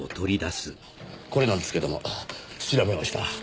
これなんですけども調べました。